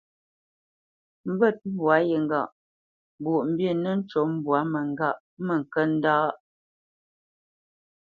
Mbə̂t mbwa ye ŋgâʼ : Mbwoʼmbǐ nə ncu mbwá mə ŋgâʼ mə ŋkə ndâ.